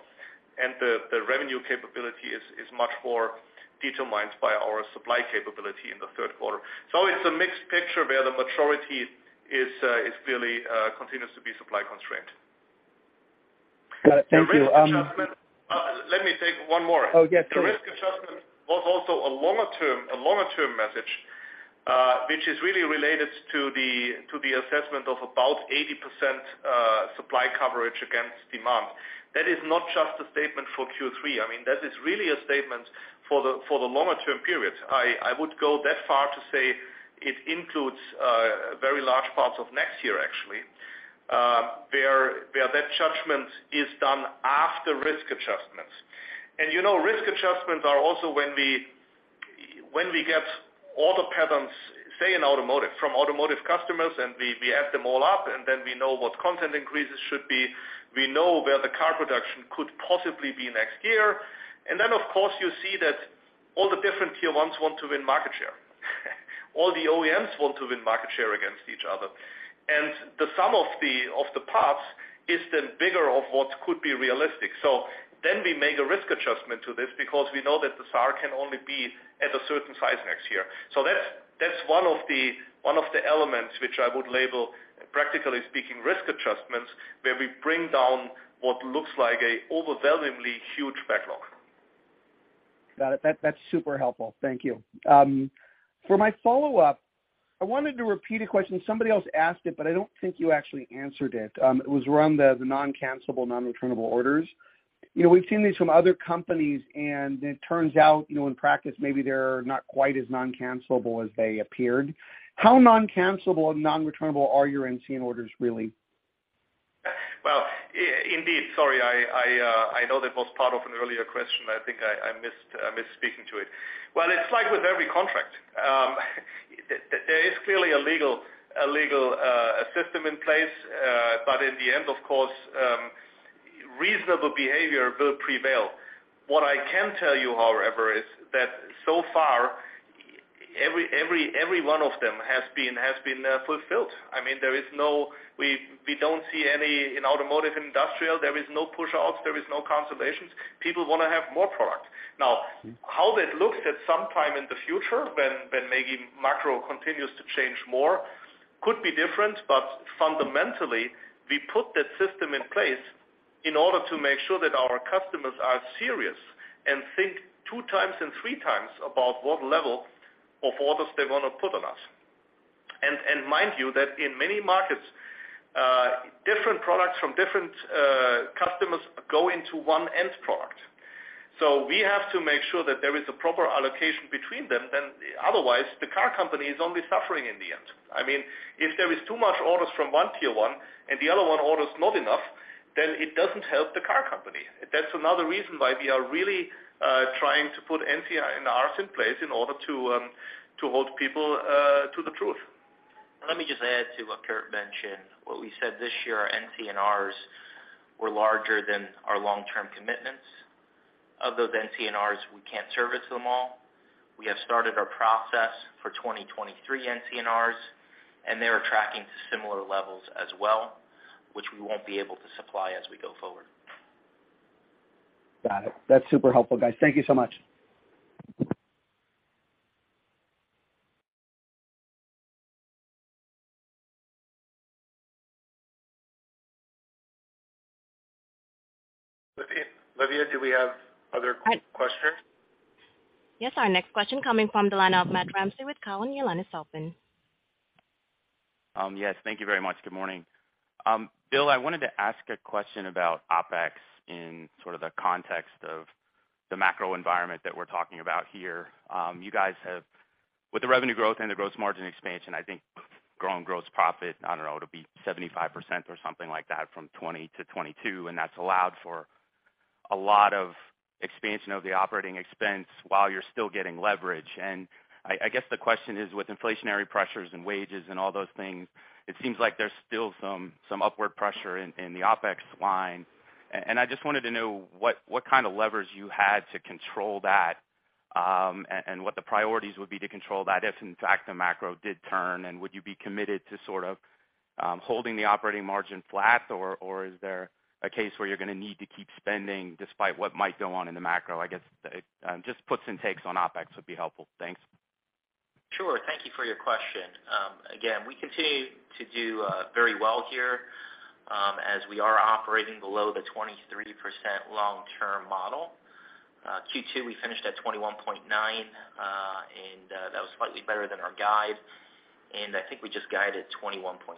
[SPEAKER 3] and the revenue capability is much more determined by our supply capability in the Q3. It's a mixed picture where the maturity is really continues to be supply constrained.
[SPEAKER 11] Got it. Thank you.
[SPEAKER 3] The risk adjustment. Let me take one more.
[SPEAKER 11] Oh, yes, sure.
[SPEAKER 3] The risk adjustment was also a longer term message, which is really related to the assessment of about 80% supply coverage against demand. That is not just a statement for Q3. I mean, that is really a statement for the longer term period. I would go that far to say it includes very large parts of next year actually, where that judgment is done after risk adjustments. You know, risk adjustments are also when we get all the patterns, say in automotive from automotive customers, and we add them all up, and then we know what content increases should be. We know where the car production could possibly be next year. Of course, you see that all the different Tier Is want to win market share. All the OEMs want to win market share against each other. The sum of the parts is then bigger than what could be realistic. We make a risk adjustment to this because we know that the SAR can only be at a certain size next year. That's one of the elements which I would label, practically speaking, risk adjustments, where we bring down what looks like an overwhelmingly huge backlog.
[SPEAKER 11] Got it. That's super helpful. Thank you. For my follow-up, I wanted to repeat a question. Somebody else asked it, but I don't think you actually answered it. It was around the non-cancelable, non-returnable orders. You know, we've seen these from other companies, and it turns out, you know, in practice, maybe they're not quite as non-cancelable as they appeared. How non-cancelable and non-returnable are your NCNR orders really?
[SPEAKER 3] Well, indeed, sorry, I know that was part of an earlier question. I think I missed speaking to it. Well, it's like with every contract, there is clearly a legal system in place. In the end, of course, reasonable behavior will prevail. What I can tell you, however, is that so far every one of them has been fulfilled. I mean, there is no. We don't see any in automotive, industrial. There is no push outs. There is no cancellations. People wanna have more product. Now, how that looks at some time in the future when maybe macro continues to change more could be different, but fundamentally, we put that system in place in order to make sure that our customers are serious and think two times and three times about what level of orders they wanna put on us. Mind you, that in many markets, different products from different customers go into one end product. We have to make sure that there is a proper allocation between them than otherwise the car company is only suffering in the end. I mean, if there is too much orders from one tier one and the other one orders not enough. It doesn't help the car company. That's another reason why we are really trying to put NCI and RS in place in order to hold people to the truth.
[SPEAKER 4] Let me just add to what Kurt mentioned. What we said this year, our NCNRs were larger than our long-term commitments. Of those NCNRs, we can't service them all. We have started our process for 2023 NCNRs, and they are tracking to similar levels as well, which we won't be able to supply as we go forward.
[SPEAKER 11] Got it. That's super helpful, guys. Thank you so much.
[SPEAKER 2] Livia, do we have other questions?
[SPEAKER 1] Yes, our next question coming from the line of Matthew Ramsay with Cowen. Your line is open.
[SPEAKER 12] Yes, thank you very much. Good morning. Bill, I wanted to ask a question about OpEx in sort of the context of the macro environment that we're talking about here. You guys have with the revenue growth and the gross margin expansion, I think growing gross profit, I don't know, to be 75% or something like that from 2020 to 2022, and that's allowed for a lot of expansion of the operating expense while you're still getting leverage. I guess the question is, with inflationary pressures and wages and all those things, it seems like there's still some upward pressure in the OpEx line. I just wanted to know what kind of levers you had to control that, and what the priorities would be to control that if in fact the macro did turn, and would you be committed to sort of holding the operating margin flat, or is there a case where you're gonna need to keep spending despite what might go on in the macro? I guess just puts and takes on OpEx would be helpful. Thanks.
[SPEAKER 4] Sure. Thank you for your question. Again, we continue to do very well here, as we are operating below the 23% long-term model. Q2, we finished at 21.9%, and that was slightly better than our guide. I think we just guided 21.7%.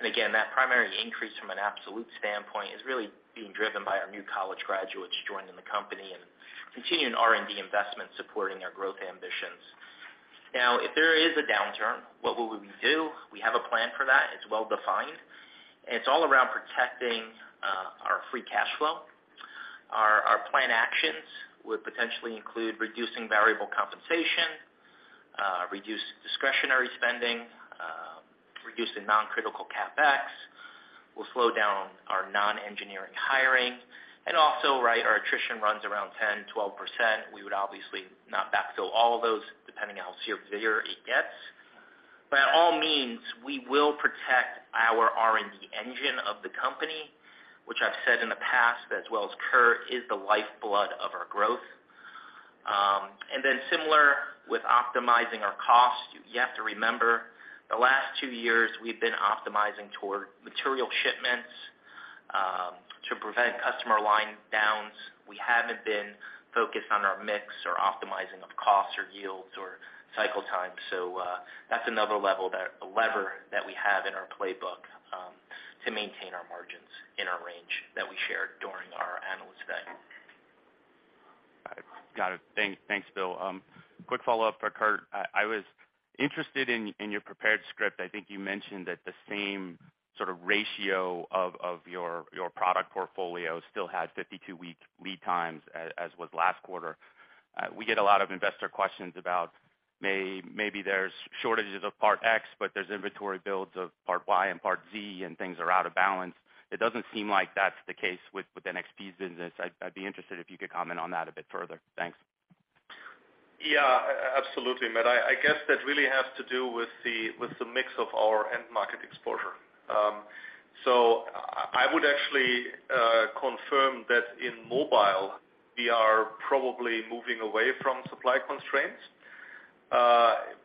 [SPEAKER 4] Again, that primary increase from an absolute standpoint is really being driven by our new college graduates joining the company and continuing R&D investment supporting our growth ambitions. Now, if there is a downturn, what will we do? We have a plan for that. It's well-defined, and it's all around protecting our free cash flow. Our plan actions would potentially include reducing variable compensation, reduce discretionary spending, reducing non-critical CapEx. We'll slow down our non-engineering hiring and also, right, our attrition runs around 10%-12%. We would obviously not backfill all of those depending on how severe it gets. By all means, we will protect our R&D engine of the company, which I've said in the past, as well as Kurt, is the lifeblood of our growth. Similar with optimizing our cost, you have to remember the last two years we've been optimizing toward material shipments, to prevent customer line downs. We haven't been focused on our mix or optimizing of costs or yields or cycle time. That's another level a lever that we have in our playbook, to maintain our margins in our range that we shared during our Analyst Day.
[SPEAKER 12] All right. Got it. Thanks, Bill. Quick follow-up for Kurt. I was interested in your prepared script. I think you mentioned that the same sort of ratio of your product portfolio still had 52-week lead times as was last quarter. We get a lot of investor questions about maybe there's shortages of part X, but there's inventory builds of part Y and part Z, and things are out of balance. It doesn't seem like that's the case with NXP's business. I'd be interested if you could comment on that a bit further. Thanks.
[SPEAKER 3] Yeah, absolutely, Matt. I guess that really has to do with the mix of our end market exposure. So I would actually confirm that in mobile, we are probably moving away from supply constraints,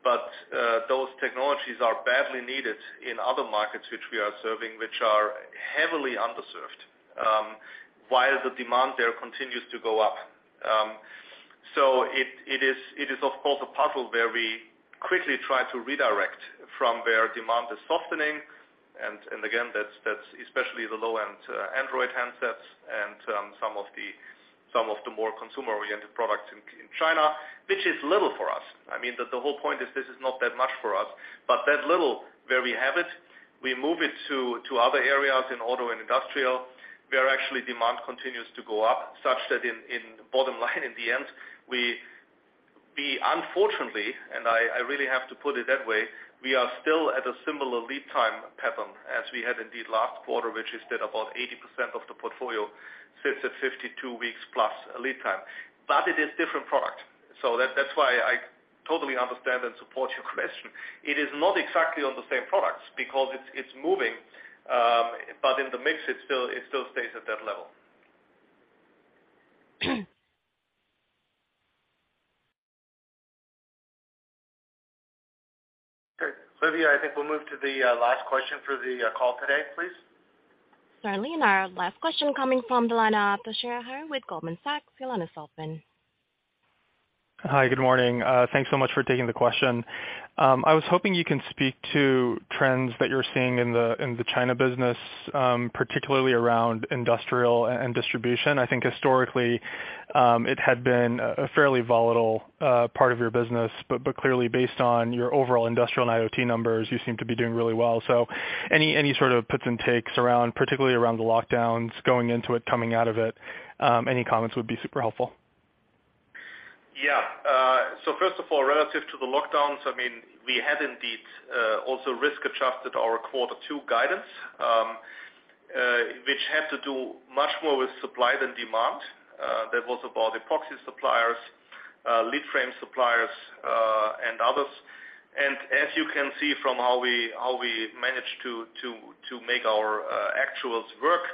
[SPEAKER 3] but those technologies are badly needed in other markets which we are serving, which are heavily underserved, while the demand there continues to go up. So it is of course a puzzle where we quickly try to redirect from where demand is softening. Again, that's especially the low-end Android handsets and some of the more consumer-oriented products in China, which is little for us. I mean, the whole point is this is not that much for us, but that little, where we have it, we move it to other areas in auto and industrial, where actually demand continues to go up, such that in bottom line, in the end, we unfortunately, and I really have to put it that way, we are still at a similar lead time pattern as we had indeed last quarter, which is that about 80% of the portfolio sits at 52 weeks plus lead time. It is different product. That's why I totally understand and support your question. It is not exactly on the same products because it's moving, but in the mix, it still stays at that level.
[SPEAKER 2] Okay. Livia, I think we'll move to the last question for the call today, please.
[SPEAKER 1] Certainly, our last question coming from the line of Toshiya Hari with Goldman Sachs. Your line is open.
[SPEAKER 13] Hi, good morning. Thanks so much for taking the question. I was hoping you can speak to trends that you're seeing in the China business, particularly around industrial and distribution. I think historically, it had been a fairly volatile part of your business but clearly based on your overall industrial and IoT numbers, you seem to be doing really well. Any sort of puts and takes around, particularly around the lockdowns, going into it, coming out of it, any comments would be super helpful.
[SPEAKER 3] Yeah. First of all, relative to the lockdowns, I mean, we had indeed also risk-adjusted our Q2 guidance, which had to do much more with supply than demand. That was about epoxy suppliers, lead frame suppliers, and others. As you can see from how we managed to make our actuals work,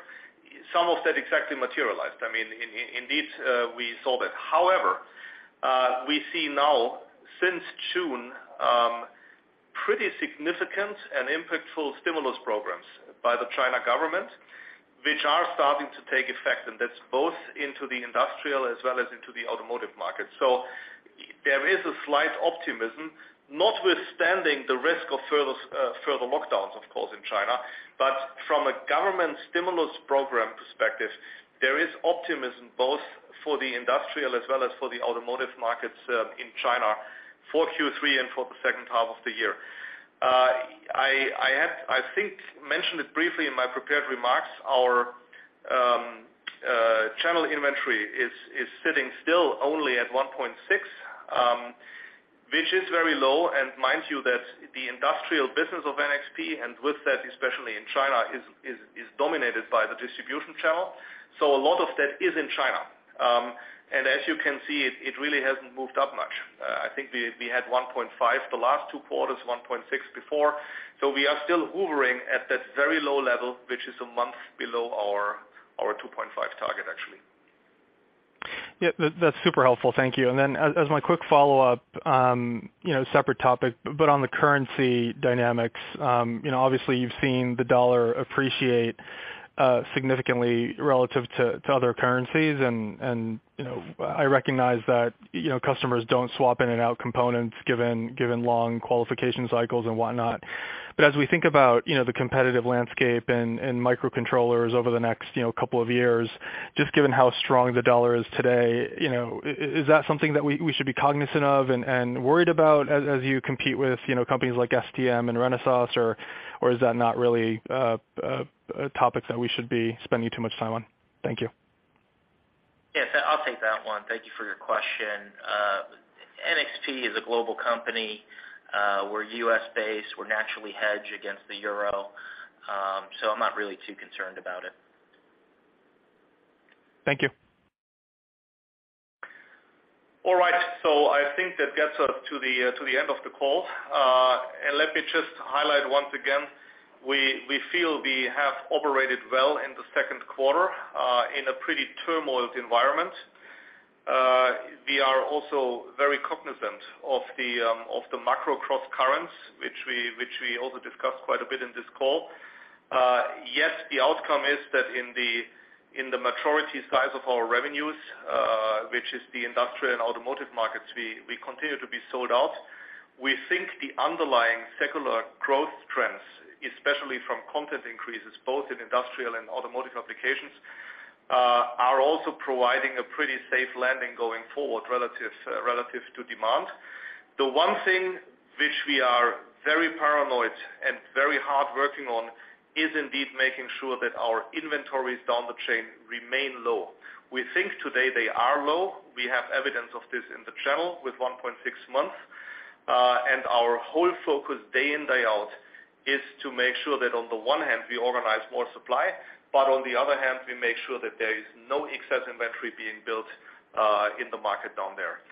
[SPEAKER 3] some of that exactly materialized. I mean, indeed, we saw that. However, we see now since June pretty significant and impactful stimulus programs by the Chinese government, which are starting to take effect, and that's both into the industrial as well as into the automotive market. There is a slight optimism, notwithstanding the risk of further lockdowns, of course, in China. From a government stimulus program perspective, there is optimism both for the industrial as well as for the automotive markets in China for Q3 and for the second half of the year. I had, I think, mentioned it briefly in my prepared remarks. Our channel inventory is sitting still only at 1.6, which is very low. Mind you that the industrial business of NXP, and with that, especially in China, is dominated by the distribution channel. A lot of that is in China. As you can see, it really hasn't moved up much. I think we had 1.5 the last two quarters, 1.6 before. We are still hovering at that very low level, which is a month below our 2.5 target, actually.
[SPEAKER 13] Yeah, that's super helpful. Thank you. Then as my quick follow-up, you know, separate topic, but on the currency dynamics, you know, obviously you've seen the dollar appreciate significantly relative to other currencies. You know, I recognize that, you know, customers don't swap in and out components given long qualification cycles and whatnot. As we think about, you know, the competitive landscape and microcontrollers over the next, you know, couple of years, just given how strong the dollar is today, you know, is that something that we should be cognizant of and worried about as you compete with, you know, companies like STM and Renesas, or is that not really a topic that we should be spending too much time on? Thank you.
[SPEAKER 4] Yes, I'll take that one. Thank you for your question. NXP is a global company. We're U.S.-based. We're naturally hedged against the euro, so I'm not really too concerned about it.
[SPEAKER 13] Thank you.
[SPEAKER 3] All right. I think that gets us to the end of the call. Let me just highlight once again, we feel we have operated well in the Q2 in a pretty turbulent environment. We are also very cognizant of the macro crosscurrents, which we also discussed quite a bit in this call. Yes, the outcome is that in the majority of our revenues, which is the industrial and automotive markets, we continue to be sold out. We think the underlying secular growth trends, especially from content increases both in industrial and automotive applications, are also providing a pretty safe landing going forward relative to demand. The one thing which we are very paranoid and very hard working on is indeed making sure that our inventories down the chain remain low. We think today they are low. We have evidence of this in the channel with 1.6 months. Our whole focus day in, day out is to make sure that on the one hand, we organize more supply, but on the other hand, we make sure that there is no excess inventory being built, in the market down there.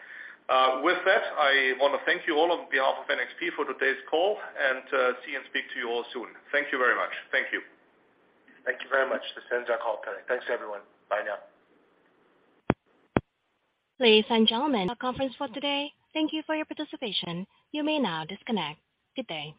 [SPEAKER 3] With that, I wanna thank you all on behalf of NXP for today's call and, see and speak to you all soon. Thank you very much. Thank you.
[SPEAKER 2] Thank you very much. This ends our call. Thanks, everyone. Bye now.
[SPEAKER 1] Ladies and gentlemen, our conference for today, thank you for your participation. You may now disconnect. Good day.